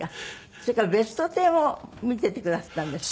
それから『ベストテン』を見ててくだすったんですって？